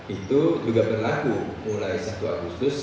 itu juga berlaku mulai satu agustus